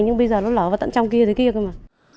nhưng bây giờ nó lở vào tận trong kia rồi kia cơ mà